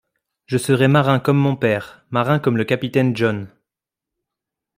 Je serai marin comme mon père, marin comme le capitaine John!